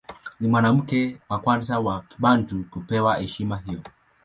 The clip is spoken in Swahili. Ni mwanamke wa kwanza wa Kibantu kupewa heshima hiyo.